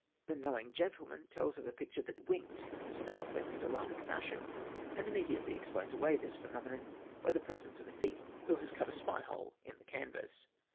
The "knowing" gentleman tells of a picture that winked in a startling and alarming fashion, and immediately explains away this phenomenon by the presence of a thief who has cut a spy hole in the canvas.